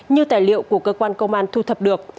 như tài liệu của cơ quan công an thu thập được